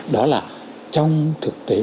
đó là trong thực tế